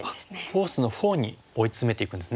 フォースのほうに追い詰めていくんですね。